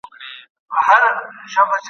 ښار له مړیو ډک شو.